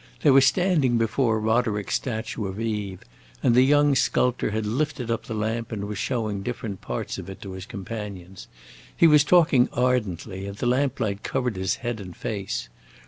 They were standing before Roderick's statue of Eve, and the young sculptor had lifted up the lamp and was showing different parts of it to his companions. He was talking ardently, and the lamplight covered his head and face.